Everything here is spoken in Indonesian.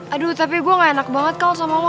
aduh tapi gue gak enak banget kalau sama lo